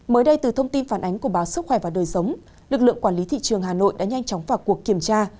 mới đây từ thông tin phản ánh của báo sức khỏe và đời sống lực lượng quản lý thị trường hà nội đã nhanh chóng vào cuộc kiểm tra